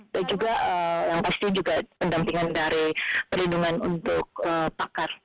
dan juga yang pasti juga pendampingan dari perlindungan untuk pakar